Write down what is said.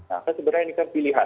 nah kan sebenarnya ini kan pilihan